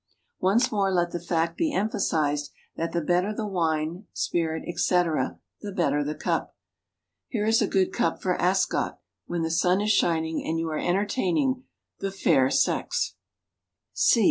Once more let the fact be emphasised that the better the wine, spirit, etc., the better the cup. Here is a good cup for Ascot, when the sun is shining, and you are entertaining the fair sex.